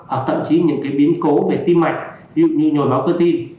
hoặc tậm chí những biến cố về tim mạch ví dụ như nhồi máu cơ tim